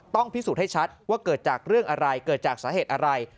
พิสูจน์ให้ชัดว่าเกิดจากเรื่องอะไรเกิดจากสาเหตุอะไร